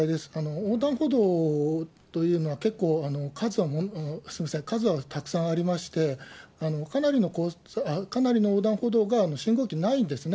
横断歩道というのは結構数はたくさんありまして、かなりの横断歩道が信号機ないんですね。